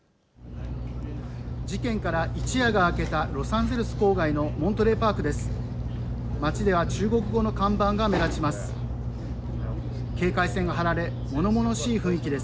事件から一夜が明けたロサンゼルス郊外のモントレーパークです。